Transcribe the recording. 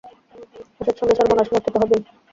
অসৎ সঙ্গে সর্বনাশ, মরতে তো হবেই।